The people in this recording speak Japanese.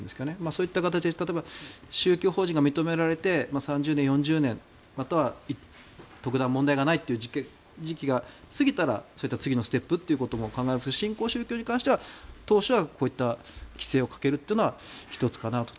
そういった形で例えば、宗教法人が認められて３０年、４０年または特段問題がないという時期が過ぎたらそういった次のステップということも考えられるし新興宗教に関しては当初はこういった規制をかけるというのは１つかなと。